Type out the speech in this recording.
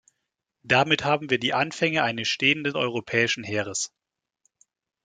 Damit haben wir die Anfänge eines stehenden europäischen Heeres.